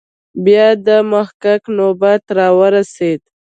بیا د محقق نوبت راورسېد.